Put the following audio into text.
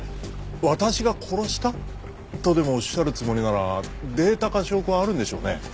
私が殺したとでもおっしゃるつもりならデータか証拠はあるんでしょうね？